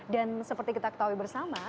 dan seperti kita ketahui bersama